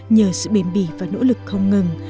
nhờ sự bền bỉ và nỗ lực không ngừng